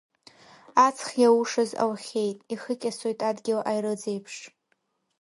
Аҵх иаушаз аухьеит, ихыкьасоит адгьыл аирыӡ еиԥш.